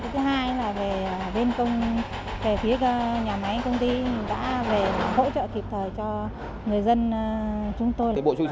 thứ hai là về bên công về phía nhà máy công ty đã hỗ trợ kịp thời cho người dân chúng tôi